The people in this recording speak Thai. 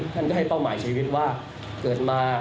ท่านก็ให้เป้าหมายชีวิตว่าเกิดมา